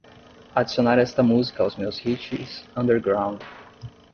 Adicionar esta música aos meus hits underground